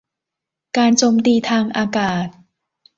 การโจมตีทางอากาศ